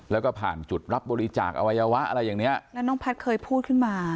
แล้วก็ผ่านจุดรับบริจาคอวัยวะอะไรอย่างเนี้ยแล้วน้องแพทย์เคยพูดขึ้นมา